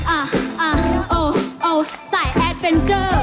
อะะโอโอสายอะเวนเจอร์